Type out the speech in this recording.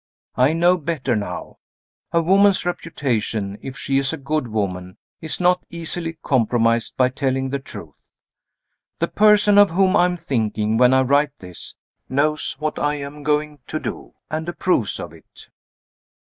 I know better now. A woman's reputation if she is a good woman is not easily compromised by telling the truth. The person of whom I am thinking, when I write this, knows what I am going to do and approves of it.